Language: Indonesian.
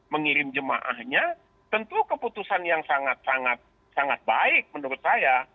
mengirim jemaahnya tentu keputusan yang sangat sangat baik menurut saya